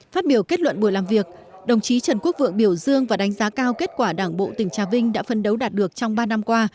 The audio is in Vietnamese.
phát biểu kết luận buổi làm việc đồng chí trần quốc vượng biểu dương và đánh giá cao kết quả đảng bộ tỉnh trà vinh đã phân đấu đạt được trong ba năm qua